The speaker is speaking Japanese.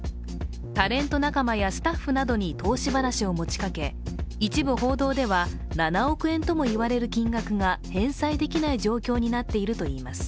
タレント仲間やスタッフなどに投資話を持ちかけ、一部報道では７億円ともいわれる金額が返済できない状況になっているといいます。